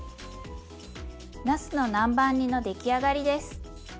なすの南蛮煮の出来上がりです。